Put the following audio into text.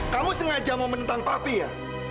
kamu sengaja mau menentang papi ya